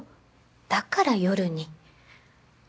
だから夜に。